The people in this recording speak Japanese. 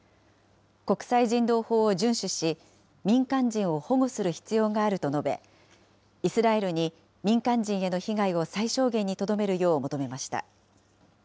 国際人道法を順守し、民間人を保護する必要があると述べ、イスラエルに民間人への被害を最小限にとどめるよう求めました。